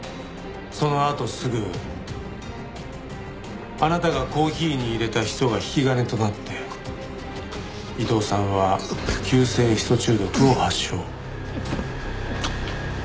そのあとすぐあなたがコーヒーに入れたヒ素が引き金となって伊藤さんは急性ヒ素中毒を発症。